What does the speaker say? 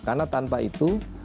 karena tanpa itu